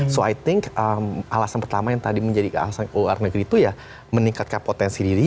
so i think alasan pertama yang tadi menjadi alasan luar negeri itu ya meningkatkan potensi diri